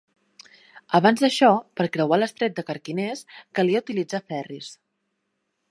Abans d'això, per creuar l'Estret de Carquinez calia utilitzar ferris.